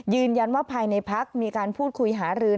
ยืนยันว่าภายในพักมีการพูดคุยหารือ